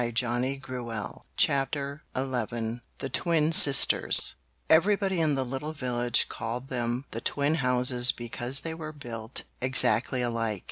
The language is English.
THE TWIN SISTERS Everybody in the little village called them the twin houses because they were built exactly alike.